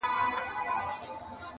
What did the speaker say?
زغره د همت په تن او هیلي یې لښکري دي,